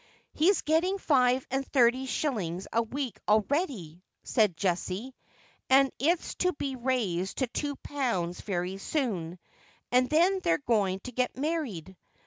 'lie's getting five and thirty shillings a week already,' said Jessie, ' and it's to be raised to two pounds very soon, and then they're going to get married.